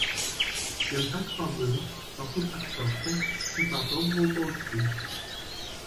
Ён так пабыў, пакуль адсопся і папробаваў паўзці.